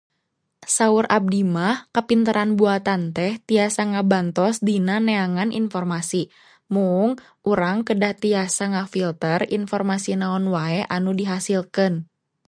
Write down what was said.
Saur abdi mah kapinteran buatan teh tiasa ngabantos dina neangan inpormasi, mung urang kedah tiasa ngafilter inpormasi naon wae anu dihasilkeun.